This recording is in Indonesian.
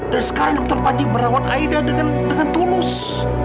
dan sekarang dokter panji merawat aida dengan dengan tulus